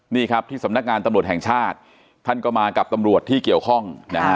นี่ครับที่สำนักงานตำรวจแห่งชาติท่านก็มากับตำรวจที่เกี่ยวข้องนะฮะ